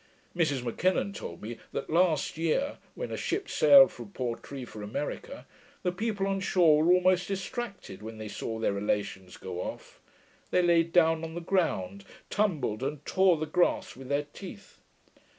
Mrs M'Kinnon told me, that last year when a ship sailed from Portree for America, the people on shore were almost distracted when they saw their relations go off; they lay down on the ground, tumbled, and tore the grass with their teeth.